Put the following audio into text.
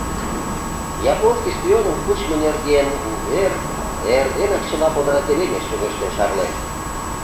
Японский шпионым кучымо нерген увер эрденак чыла подразделенийыш чоҥештен шарлен.